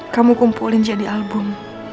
kamu kumpulin jadi album